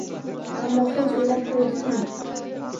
Ammo hech o‘ylab ko‘rdikmi?